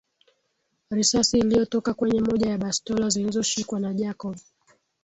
Risasi iliyotoka kwenye moja ya bastola zilizoshikwa na Jacob